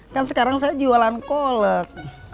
kan sekarang saya jualan kolek